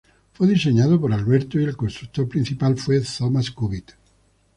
Fue diseñado por Alberto, y el constructor principal fue Thomas Cubitt.